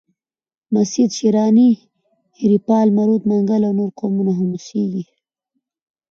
مسید، شیراني، هیریپال، مروت، منگل او نور قومونه هم اوسیږي.